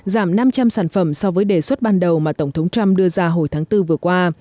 giảm năm trăm linh sản phẩm so với đề xuất ban đầu mà tổng thống trump đưa ra hồi tháng bốn vừa qua